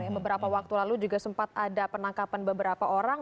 beberapa waktu lalu juga sempat ada penangkapan beberapa orang